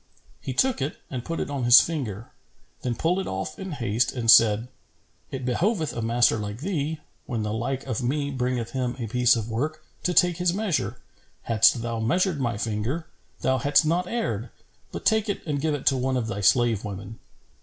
He took it and put it on his finger; then pulled it off in haste and said, "It behoveth a master like thee, when the like of me bringeth him a piece of work, to take his measure. Hadst thou measured my finger, thou hadst not erred; but take it and give it to one of thy slave women."